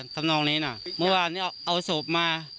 ทำนองนี้นะเมื่อวานนี้เอาศพมา